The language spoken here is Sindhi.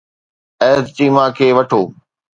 احد چيما کي وٺو.